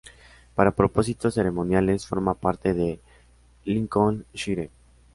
Para propósitos ceremoniales forma parte de Lincolnshire.